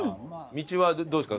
道はどうですか？